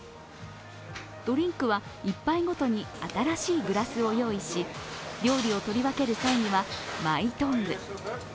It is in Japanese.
ドリンクは１杯ごとに新しいグラスを用意し、料理を取り分ける際にはマイトング。